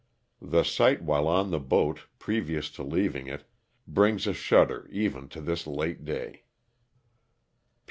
The sight while on the boat, previous to leaving it, brings a shudder even to this late day.